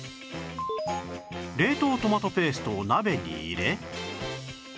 冷凍トマトペーストを鍋に入れ